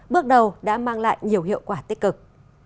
bước đầu đã mang lại nhiều hiệu quả tích cực